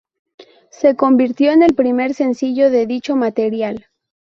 Se convirtió en el primer sencillo de dicho material.